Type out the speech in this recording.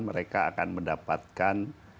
mereka akan mendapatkan